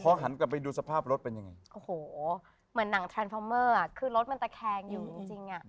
หันกลับไปดูสภาพรถเป็นยังไงโอ้โหเหมือนหนังเทรนดพอเมอร์อ่ะคือรถมันตะแคงอยู่จริงจริงอ่ะ